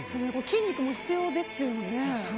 筋肉も必要ですよね。